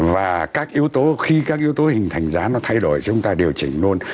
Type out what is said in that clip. và khi các yếu tố hình thành giá nó thay đổi chúng ta điều chỉnh luôn